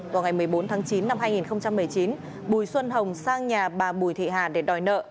vào ngày một mươi bốn tháng chín năm hai nghìn một mươi chín bùi xuân hồng sang nhà bà bùi thị hà để đòi nợ